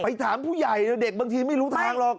ถามผู้ใหญ่เด็กบางทีไม่รู้ทางหรอก